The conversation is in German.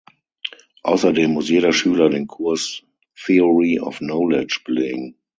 Außerdem muss jeder Schüler den Kurs "Theory of Knowledge" belegen.